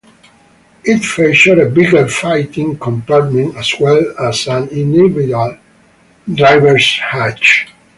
It featured a bigger fighting compartment as well as an individual driver's hatch.